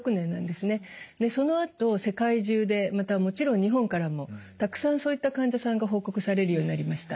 でそのあと世界中でまたもちろん日本からもたくさんそういった患者さんが報告されるようになりました。